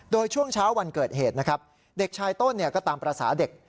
โดยช่วงเช้าวันเกิดเหตุนะครับเด็กชายต้นก็ตามภาษาเด็ก